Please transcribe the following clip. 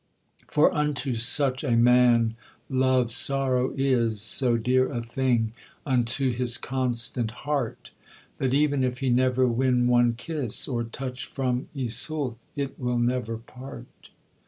For unto such a man love sorrow is So dear a thing unto his constant heart, That even if he never win one kiss, Or touch from Iseult, it will never part.